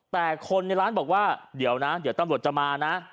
แต่คนในร้านบอกว่าเดี๋ยวนะเดี๋ยวตำรวจจะมานะ